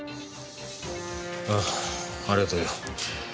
ああ。ありがとよ。